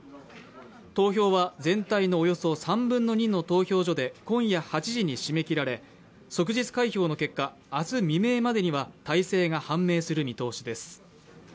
投票は全体のおよそ３分の２の投票所で今夜８時に締め切られ、即日開票の結果、明日未明までには大勢が判明する見通しです。